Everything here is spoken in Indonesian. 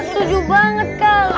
tuju banget kak